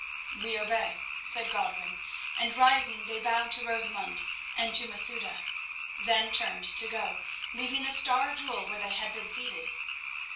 "We obey," said Godwin, and rising they bowed to Rosamund and to Masouda, then turned to go, leaving the star jewel where they had been seated.